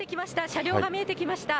車両が見えてきました。